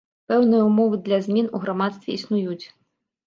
Пэўныя ўмовы для змен у грамадстве існуюць.